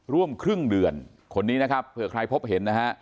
ร่วมครึ่งเดือนคนนี้นะครับเผื่อใครพบเห็นนะฮะ